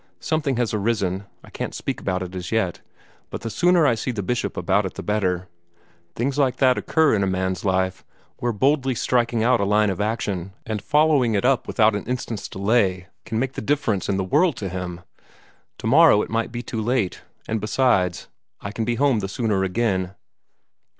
Something has arisen I can't speak about it as yet but the sooner I see the Bishop about it the better. Things like that occur in a man's life, where boldly striking out a line of action, and following it up without an instant's delay, may make all the difference in the world to him. Tomorrow it might be too late; and, besides, I can be home the sooner again."